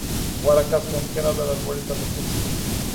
• غوره کس ممکنه ده، له لوړې طبقې څخه وي.